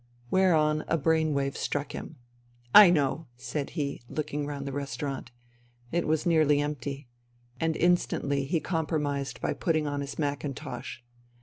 Whereon a brain wave struck him. *' I know/* said he, looking round the restaurant. It was nearly empty. And instantly he compromised by putting on his mackintosh.